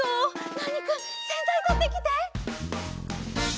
ナーニくんせんざいとってきて！